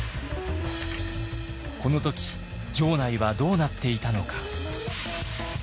この時城内はどうなっていたのか。